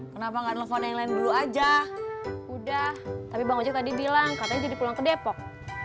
kenapa enggak nelfon yang lain dulu aja udah tadi bilang jadi pulang ke depok